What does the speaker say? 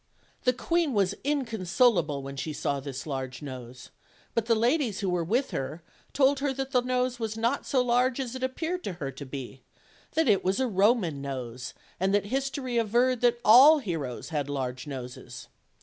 The queen was inconsolable when she saw this large nose; but the ladies who were with her told her that the nose was not so large as it appeared to her to be; that it was a Roman nose, and that history averred that all heroes had large noses.